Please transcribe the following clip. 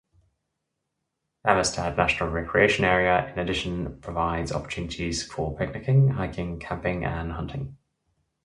Amistad National Recreation Area in addition provides opportunities for picnicking, hiking, camping and hunting.